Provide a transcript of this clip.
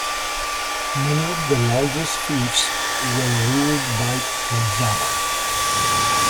Many of the largest fiefs were ruled by "tozama".